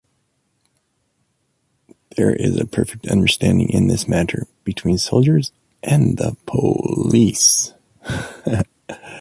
There is a perfect understanding in this matter between soldiers and the police.